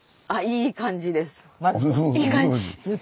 いい感じ。